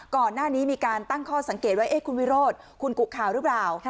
ก่อนหน้านี้มีการตั้งข้อสังเกตว่าคุณวิโรธคุณกุข่าวหรือเปล่า